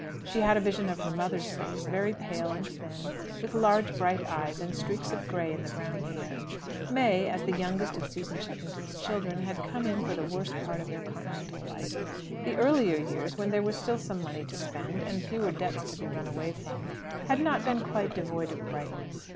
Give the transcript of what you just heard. She had a vision of her mother's face, very pale and thin, with large bright eyes, and streaks of gray in the brown hair. May, as the youngest of Susan Cheffington's children, had come in for the worst part of their Continental life. The earlier years, when there was still some money to spend, and fewer debts to be run away from, had not been quite devoid of brightness.